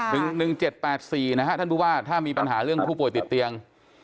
๑๗๘๔นะครับถ้ามีปัญหาเรื่องผู้ป่วยติดเตียง